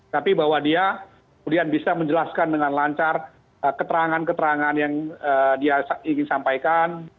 tapi bahwa dia kemudian bisa menjelaskan dengan lancar keterangan keterangan yang dia ingin sampaikan